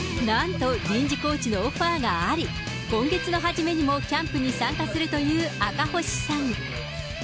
なんと、臨時コーチのオファーがあり、今月の初めにもキャンプに参加するという赤星さん。